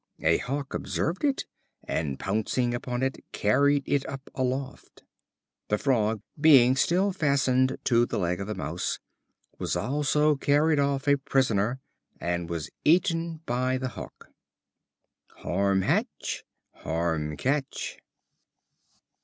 A Hawk observed it, and, pouncing upon it, carried it up aloft. The Frog, being still fastened to the leg of the Mouse, was also carried off a prisoner, and was eaten by the Hawk. Harm hatch, harm catch.